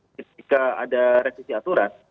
jika ada revisi aturan